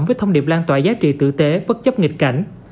với thông điệp lan tỏa giá trị tử tế bất chấp nghịch cảnh